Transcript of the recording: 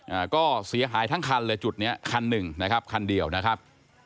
อ่าก็เสียหายทั้งคันเลยจุดเนี้ยคันหนึ่งนะครับคันเดียวนะครับ